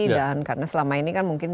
dan karena selama ini kan mungkin makin